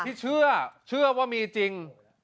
ที่เชื่อเชื่อว่ามีจริง